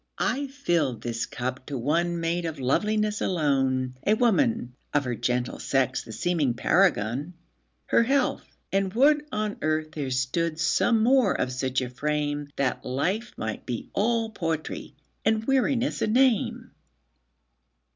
I filled this cup to one made up of loveliness alone,A woman, of her gentle sex the seeming paragon—Her health! and would on earth there stood some more of such a frame, That life might be all poetry, and weariness a name.